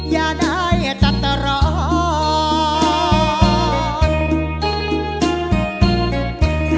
อย่าได้จัดรอด